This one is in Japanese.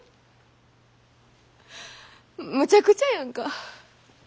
むちゃくちゃやんか。